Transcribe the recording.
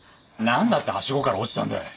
何だってハシゴから落ちたんだい？